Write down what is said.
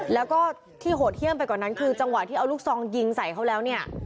แล้วก็ที่โหดเยี่ยมไปกว่านั้นคือจังหวะที่เอาลูกซองยิงใส่เขาแล้วเนี่ย